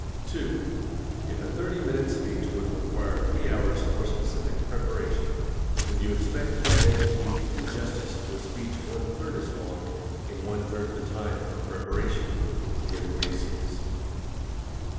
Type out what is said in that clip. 2. If a thirty minute speech would require three hours for specific preparation, would you expect to be able to do equal justice to a speech one third as long in one third the time for preparation? Give reasons.